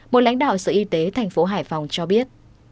một lãnh đạo sở y tế thành phố hải phòng cho biết